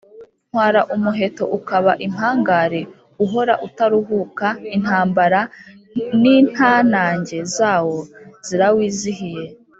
Ntwara umuheto ukaba impangare uhora utaruhuka intambara n’intanage zawo zirawizihiye.